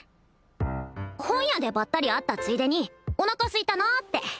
本屋でバッタリ会ったついでにおなかすいたなーって・